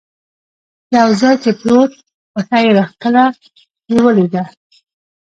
یو ځای کې پرېوت، پښه یې راکښله، یې ولیده.